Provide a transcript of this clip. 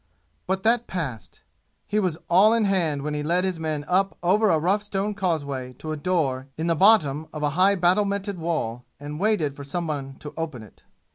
But that passed. He was all in hand when he led his men up over a rough stone causeway to a door in the bottom of a high battlemented wall and waited for somebody to open it.